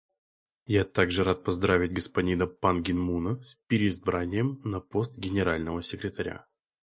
Я также рад поздравить господина Пан Ги Муна с переизбранием на пост Генерального секретаря.